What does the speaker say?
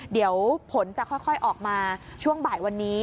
เดี๋ยวผลจะค่อยออกมาช่วงบ่ายวันนี้